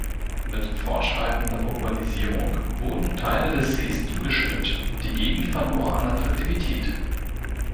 Mit fortschreitender Urbanisierung wurden Teile des Sees zugeschüttet und die Gegend verlor an Attraktivität.